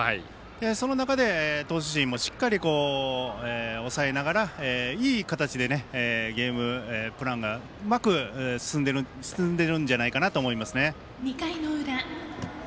その中で、投手陣もしっかりと抑えながらいい形でゲームプランがうまく進んでるんじゃないかなと思いますね。